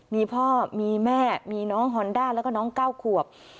มีพ่อมีแม่มีน้องฮอนด้าแล้วก็น้อง๙ขวบ